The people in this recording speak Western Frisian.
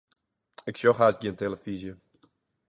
Ik sjoch hast gjin telefyzje.